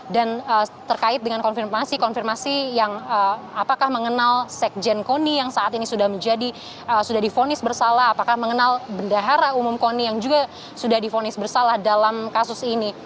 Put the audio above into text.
dan terkait dengan konfirmasi konfirmasi yang apakah mengenal sekjen koni yang saat ini sudah menjadi sudah difonis bersalah apakah mengenal bendahara umum koni yang juga sudah difonis bersalah dalam kasus ini